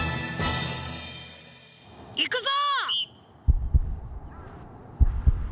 いくぞ！